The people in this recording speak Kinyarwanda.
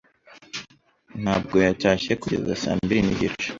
ntabwo yatashye kugeza saa mbiri nigice.